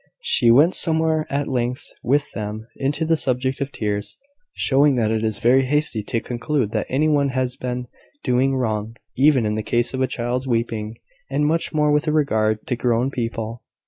She went somewhat at length with them into the subject of tears, showing that it is very hasty to conclude that any one has been doing wrong, even in the case of a child's weeping; and much more with regard to grown people.